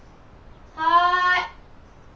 はい。